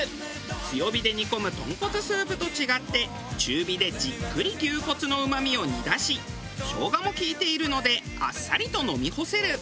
強火で煮込む豚骨スープと違って中火でじっくり牛骨のうまみを煮出し生姜も利いているのであっさりと飲み干せる。